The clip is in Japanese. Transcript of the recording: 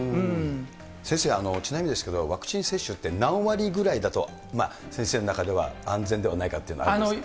先生、ちなみにですけれども、ワクチン接種って、何割ぐらいだと、先生の中では安全ではないかっていうのがあるんですか。